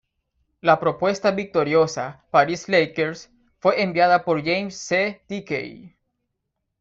La propuesta victoriosa, Paris Lakers, fue enviada por James C. Dickey.